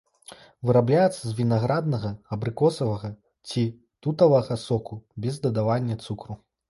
Вырабляецца з вінаграднага, абрыкосавага ці тутавага соку без дадавання цукру.